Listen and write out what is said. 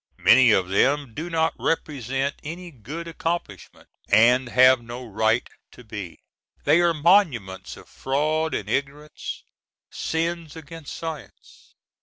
Many of them do not represent any good accomplishment, and have no right to be. They are monuments of fraud and ignorance—sins against science.